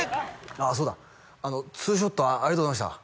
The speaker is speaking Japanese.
ああそうだツーショットありがとうございました